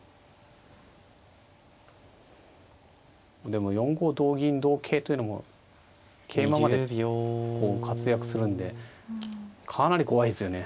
でも４五同銀同桂というのも桂馬まで活躍するんでかなり怖いですよね。